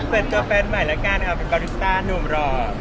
เป็นตัวแฟนใหม่แล้วกันครับการิสตาร์ดหนุ่มรอบ